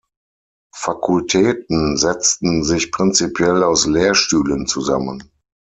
Fakultäten setzten sich prinzipiell aus Lehrstühlen zusammen.